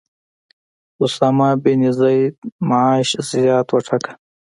اسامه بن زید معاش زیات وټاکه.